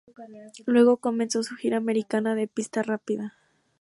Luego comenzó su gira americana de pista rápida.